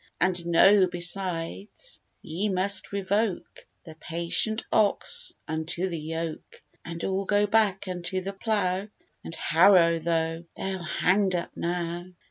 And know, besides, ye must revoke The patient ox unto the yoke, And all go back unto the plough And harrow, though they're hang'd up now.